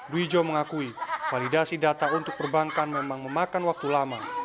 dwi jo mengakui validasi data untuk perbankan memang memakan waktu lama